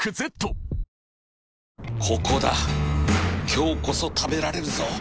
今日こそ食べられるぞ